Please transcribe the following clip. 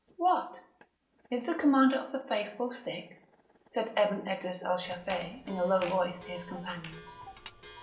"What! is the Commander of the Faithful sick?" said Ebn Edris al Shafei in a low voice to his companion.